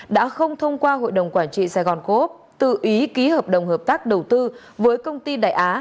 đã không thông qua hội đồng quản trị sài gòn cố úc tự ý ký hợp đồng hợp tác đầu tư với công ty đại á